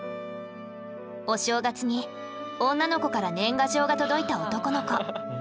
お正月に女の子から年賀状が届いた男の子。